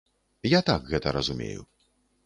Я так гэта разумею.